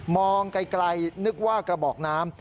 มองไกลนึกว่ากระบอกน้ำ